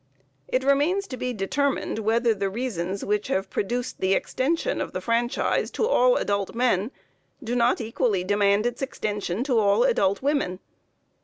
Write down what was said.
It remains to be determined whether the reasons which have produced the extension of the franchise to all adult men, do not equally demand its extension to all adult women.